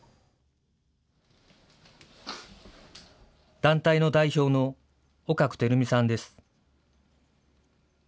団体の代表の尾角光美さんです。